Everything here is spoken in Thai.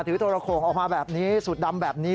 ถือโถโลโค่งออกมาแบบนี้สุดดำแบบนี้